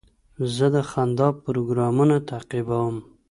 زه د خندا پروګرامونه تعقیبوم.